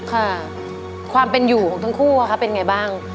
ค่ะความเป็นอยู่ของทั้งคู่เป็นไงบ้าง